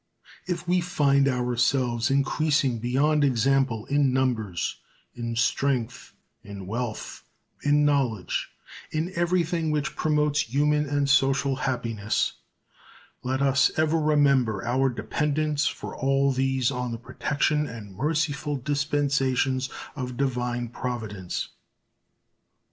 If we find ourselves increasing beyond example in numbers, in strength, in wealth, in knowledge, in everything which promotes human and social happiness, let us ever remember our dependence for all these on the protection and merciful dispensations of Divine Providence.